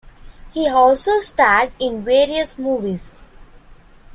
He also starred in various movies.